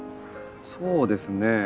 そうですね。